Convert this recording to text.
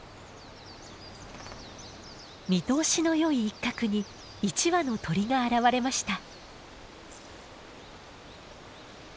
見通しのよい一角に一羽の鳥が現れました。